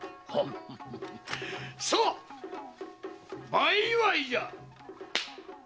さあ前祝いじゃ！